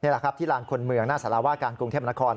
แหละครับที่ลานคนเมืองหน้าสารวาการกรุงเทพนคร